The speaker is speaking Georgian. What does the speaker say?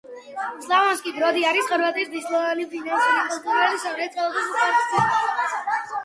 სლავონსკი-ბროდი არის ხორვატიის მნიშვნელოვანი ფინანსური, კულტურული, სამრეწველო და სასამართლო ცენტრი.